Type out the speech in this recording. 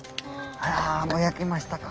あらぼやけましたか。